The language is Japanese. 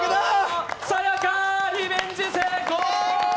さや香、リベンジ成功！